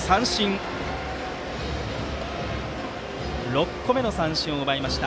６個目の三振を奪いました。